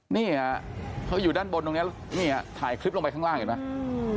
นี่ฮะเขาอยู่ด้านบนตรงนี้เนี่ยถ่ายคลิปลงไปข้างล่างเห็นไหม